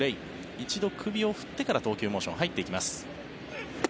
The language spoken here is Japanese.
一度首を振ってから投球モーションに入っていきます。